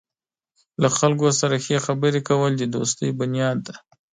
له خلکو سره ښې خبرې کول د دوستۍ بنیاد دی.